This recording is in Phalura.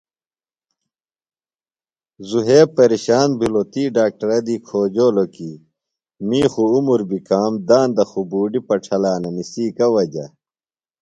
ذُھیب پیرشان بِھلوۡ تی ڈاکٹرہ دی کھوجولوۡ کی می خوۡ عُمر بیۡ کام داندہ خوۡ بُوڈیۡ پڇھلانہ نِسی گہ وجہ۔